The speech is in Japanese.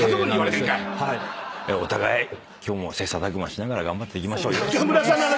お互い今日も切磋琢磨しながら頑張っていきましょう。